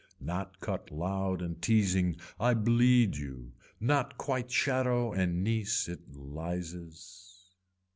Not cut loud and teasing I bleed you, not quite shadow and niece it lises.